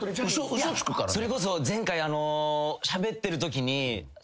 いやそれこそ前回あのしゃべってるときに。